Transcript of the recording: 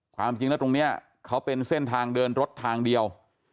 ความจริงแล้วตรงนี้เขาเป็นเส้นทางเดินรถทางเดียว